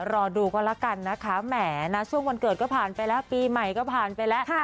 รอดูก็แล้วกันนะคะแหมนะช่วงวันเกิดก็ผ่านไปแล้วปีใหม่ก็ผ่านไปแล้ว